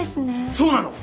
そうなの。